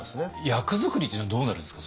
役作りというのはどうなるんですか？